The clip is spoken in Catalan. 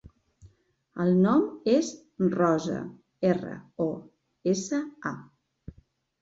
El nom és Rosa: erra, o, essa, a.